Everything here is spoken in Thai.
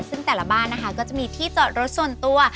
ขึ้นแต่ละบ้านมีที่จดรถส่วนตัว